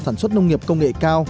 sản xuất nông nghiệp công nghệ cao